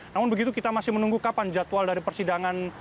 namun begitu kita masih menunggu kapan jadwal dari persidangan